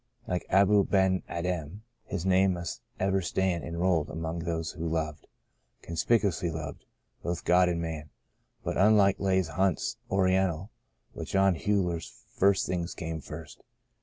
Like Abou Ben Adhem, his name must ever stand enrolled among those who loved — conspicu ously loved— both God and man. But unlike Leigh Hunt's Oriental, with John Huyler first things came first.